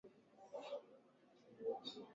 ni rais wa marekani bwana barack obama